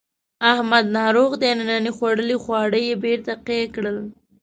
احمد ناروغ دی ننني خوړلي خواړه یې بېرته قی کړل.